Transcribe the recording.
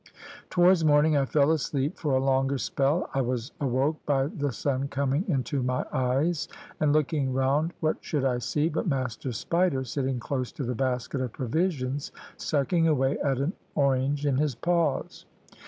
Towards morning I fell asleep for a longer spell. I was awoke by the sun coming into my eyes, and looking round what should I see but Master Spider sitting close to the basket of provisions, sucking away at an orange in his paws.